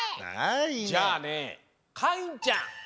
じゃあねかいんちゃん。